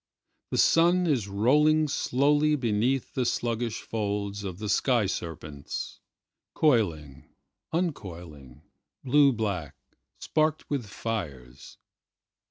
The sun is rolling slowlyBeneath the sluggish folds of the sky serpents, Coiling, uncoiling, blue black, sparked with fires.